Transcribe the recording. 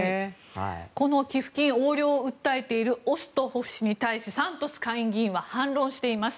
この寄付金横領を訴えているオストホフ氏に対しサントス下院議員は反論しています。